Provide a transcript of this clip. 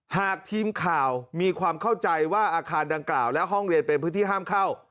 หากทีมข่าวมีความเข้าใจว่าอาคารดังกล่าวและห้องเรียนเป็นพื้นที่ห้ามเข้า